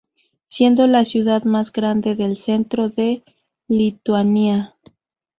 Siendo la ciudad más grande del centro de Lituania.